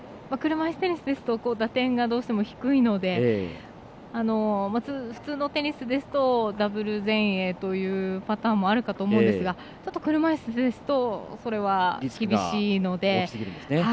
車いすテニスですと打点がどうしても低いので普通のテニスですとダブル前衛というパターンもあるかと思うんですが車いすですとそれは、厳しいので。